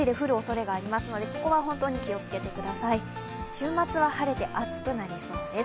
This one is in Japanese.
週末は晴れて暑くなりそうです。